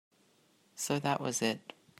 So that was it.